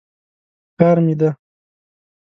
پکار مې دی.